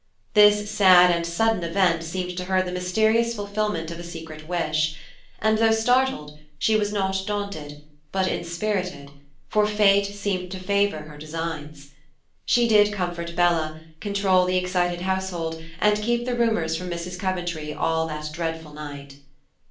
This sad and sudden event seemed to her the mysterious fulfilment of a secret wish; and though startled she was not daunted but inspirited, for fate seemed to favor her designs. She did comfort Bella, control the excited household, and keep the rumors from Mrs. Coventry all that dreadful night.